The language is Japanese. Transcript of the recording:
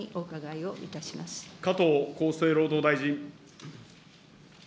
加藤厚生労働大臣。